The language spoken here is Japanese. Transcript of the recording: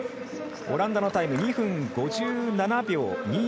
オランダのタイム２分５７秒２６。